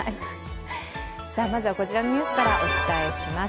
まずはこちらのニュースからお伝えします。